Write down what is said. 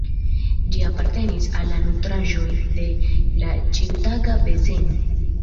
Ĝi apartenis al la nutraĵoj de la ĉiutaga bezono.